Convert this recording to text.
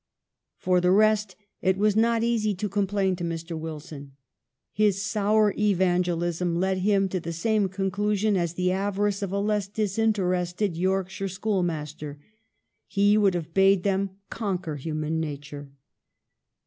For the rest, it was not easy to complain to Mr. Wilson. His sour evangelicism led him to the same conclusion as the avarice of a less disinterested Yorkshire schoolmaster ; he would have bade them con quer human nature.